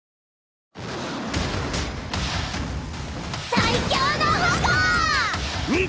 「最強の矛」！